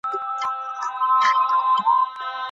بریښنایي حکومتولي په روغتیا کي سته؟